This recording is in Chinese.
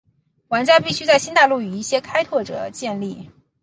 玩家必须在新大陆与一些开拓者建立殖民地与其他来自欧洲的对手竞争。